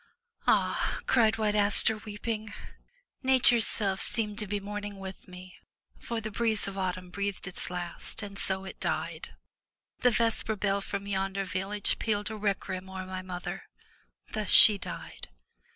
Ah!" cried White Aster, weeping, Nature's self Seemed to be mourning with me, for the breeze Of Autumn breathed its last, and as it died. The vesper bell from yonder village pealed A requiem o'er my mother. Thus she died.